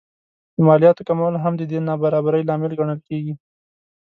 د مالیاتو کمول هم د دې نابرابرۍ لامل ګڼل کېږي